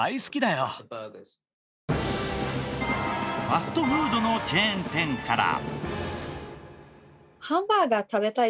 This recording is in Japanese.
ファストフードのチェーン店から。